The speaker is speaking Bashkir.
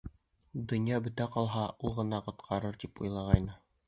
Донъя бөтә ҡалһа, ул ғына ҡотҡарыр тип уйланы.